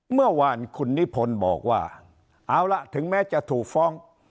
เมื่อวานคุณนิพนธ์บอกว่าเอาล่ะถึงแม้จะถูกฟ้อง